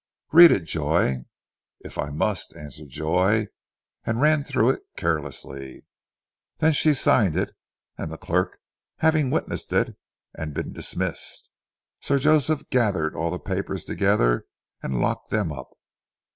"Read it, Joy." "If I must," answered Joy, and ran through it carelessly. Then she signed it, and the clerk having witnessed it and been dismissed, Sir Joseph gathered all the papers together, and locked them up.